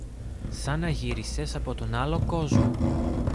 Σαν να γύρισες από τον άλλο κόσμο.